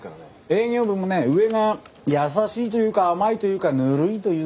営業部もね上が優しいというか甘いというかぬるいというかね。